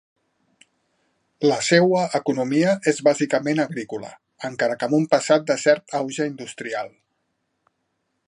La seua economia és bàsicament agrícola, encara que amb un passat de cert auge industrial.